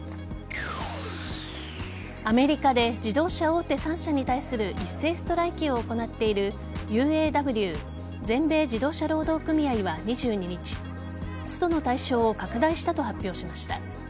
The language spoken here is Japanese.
アメリカで自動車大手３社に対する一斉ストライキを行っているＵＡＷ＝全米自動車労働組合は２２日ストの対象を拡大したと発表しました。